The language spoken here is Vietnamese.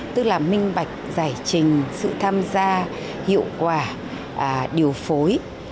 tức là minh bạch giải trình sự tham gia hiệu quả điều phối